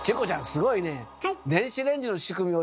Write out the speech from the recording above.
すごいねえ！